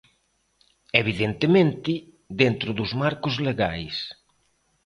Evidentemente, dentro dos marcos legais.